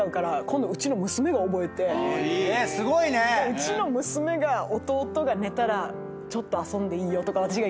うちの娘が弟が寝たらちょっと遊んでいいよとか私が言うんですよ